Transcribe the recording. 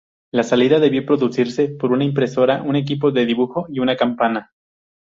La salida debía producirse por una impresora, un equipo de dibujo y una campana.